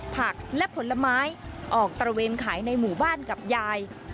ผักและผลไม้ออกตระเวนขายในหมู่บ้านกับยาย